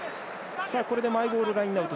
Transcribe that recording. マイボールラインアウト